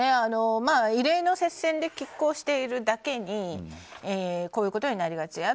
異例の接戦で拮抗しているだけにこういうことになりがち。